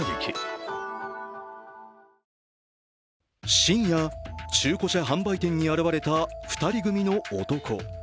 深夜、中古車販売店に現れた２人組の男。